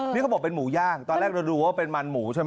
นี่เขาบอกเป็นหมูย่างตอนแรกเราดูว่าเป็นมันหมูใช่ไหม